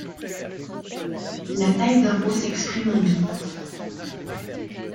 La taille d’un mot s’exprime en bits.